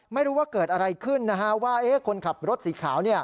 ไม่รู้ว่าเกิดอะไรขึ้นนะฮะว่าคนขับรถสีขาว